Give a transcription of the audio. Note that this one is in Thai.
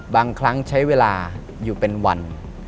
บางครั้งใช้เวลาอยู่เป็นวัน